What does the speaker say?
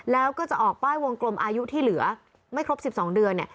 แล้วก็จะออกป้ายวงกลมอายุที่เหลือไม่ครบ๑๒เดือน